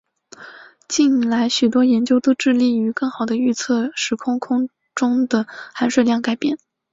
近来许多研究都致力于更好地预测时空变化中的含水量改变。